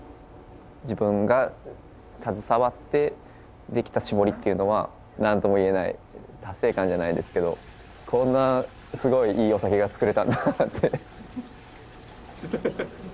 自分が携わって出来たしぼりっていうのは何とも言えない達成感じゃないですけどこんなすごいいいお酒が造れたんだなって。